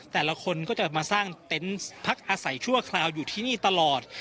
แต่ละคนก็จะมาสร้างเต็นต์พักอาศัยชั่วคราวอยู่ที่นี่ตลอด